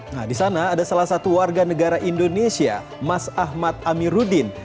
nah di sana ada salah satu warga negara indonesia mas ahmad amiruddin